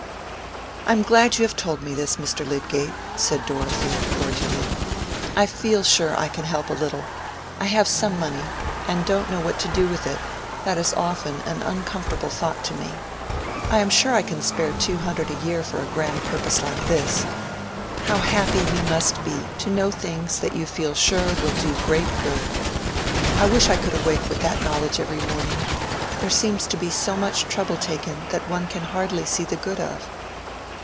"I am glad you have told me this, Mr. Lydgate," said Dorothea, cordially. "I feel sure I can help a little. I have some money, and don't know what to do with it—that is often an uncomfortable thought to me. I am sure I can spare two hundred a year for a grand purpose like this. How happy you must be, to know things that you feel sure will do great good! I wish I could awake with that knowledge every morning. There seems to be so much trouble taken that one can hardly see the good of!"